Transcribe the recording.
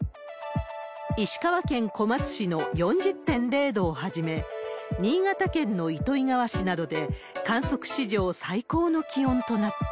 石川県小松市の４０．０度をはじめ、新潟県の糸魚川市などで、観測史上最高の気温となった。